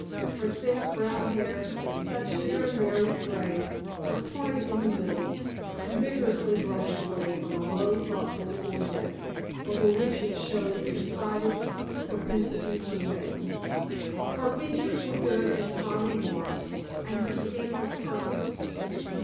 Her thick, brown hair, touched here and there with grey, was parted in the middle and vigorously brushed away from a low, thoughtful forehead, over which it showed a decided propensity to wave. Her features were good and strongly marked, and her skin was perfect.